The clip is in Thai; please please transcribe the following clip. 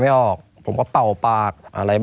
ไม่มีครับไม่มีครับ